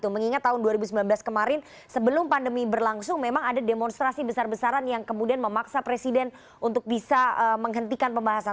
mengingat tahun dua ribu sembilan belas kemarin sebelum pandemi berlangsung memang ada demonstrasi besar besaran yang kemudian memaksa presiden untuk bisa menghentikan pembahasan